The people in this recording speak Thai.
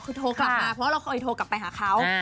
คือโทรกลับมาเพราะว่าเราเคยโทรกลับไปหาเขา